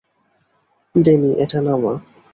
Danny, এটা নামা।